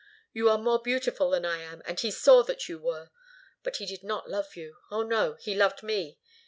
You are more beautiful than I am, and he saw that you were. But he did not love you. Oh, no! He loved me.